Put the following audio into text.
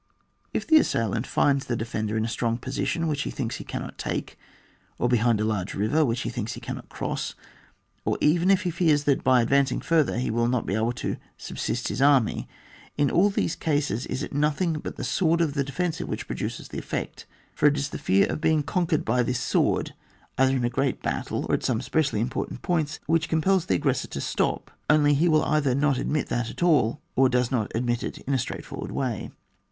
If the assailant finds the defender in a strong position which he thinks he can not take, or behind a large river which he thinks he cannot cross, or even if he fears that by advancing further he will not be able to subsist his army, in all these cases it is nothing but the sword of the defensive which produces the effect ; for it is the fear of being conquered by this sword, either in a great battle or at some specially important points, which compels the aggressor to stop, only he will either not admit that at all, or does not admit it in a straightforward way.